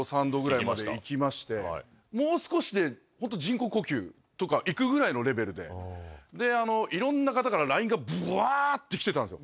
もう少しでホント人工呼吸とかいくぐらいのレベルで。でいろんな方からＬＩＮＥがブワって来てたんですよ。